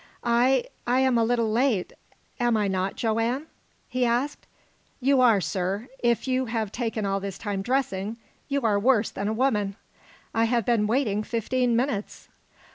"I I am a little late, am I not, Joanne?" he asked. "You are, sir. If you have taken all this time dressing you are worse than a woman. I have been waiting fifteen minutes!"